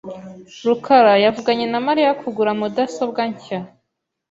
rukara yavuganye na Mariya kugura mudasobwa nshya .